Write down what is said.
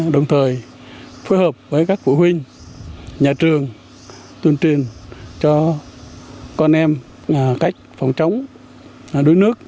đồng thời phối hợp với các phụ huynh nhà trường tuyên truyền cho con em cách phòng chống đuối nước